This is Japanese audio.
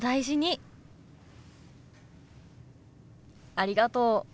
ありがとう。